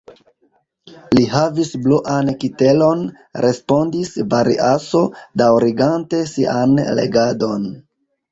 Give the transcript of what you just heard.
Li havis bluan kitelon, respondis Variaso, daŭrigante sian legadon.